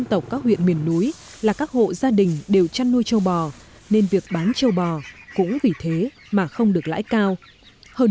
trị lợi nông thị lợi